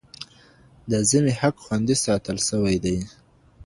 د ذمي حق خوندي ساتل سوی دی.